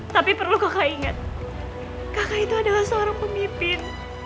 tapi perlu kakak ingat kakak itu adalah seorang pemimpin